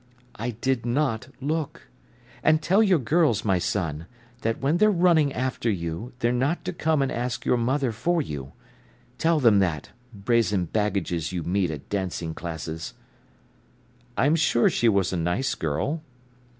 "I did not look. And tell your girls, my son, that when they're running after you, they're not to come and ask your mother for you. Tell them that—brazen baggages you meet at dancing classes." "I'm sure she was a nice girl."